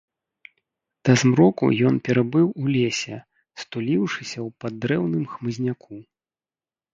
Да змроку ён перабыў у лесе, стуліўшыся ў паддрэўным хмызняку.